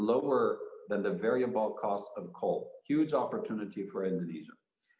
lebih rendah dari kostom kerosakan yang berbeda keuntungan besar untuk indonesia